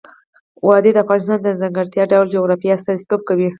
وادي د افغانستان د ځانګړي ډول جغرافیه استازیتوب کوي.